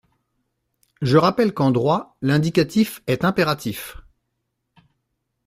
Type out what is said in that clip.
Je rappelle qu’en droit, l’indicatif est impératif.